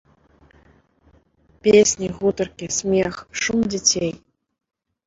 Песні, гутаркі, смех, шум дзяцей.